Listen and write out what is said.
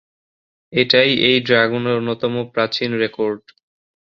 এটাই এই ড্রাগনের অন্যতম প্রাচীন রেকর্ড।